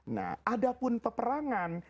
nah ada pun peperangan